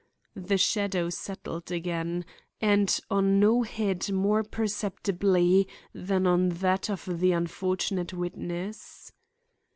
the shadow settled again, and on no head more perceptibly than on that of the unfortunate witness.